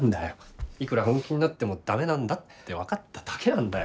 いくら本気になっても駄目なんだって分かっただけなんだよ。